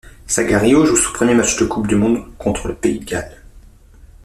Sagario joue son premier match de Coupe du monde contre le pays de Galles.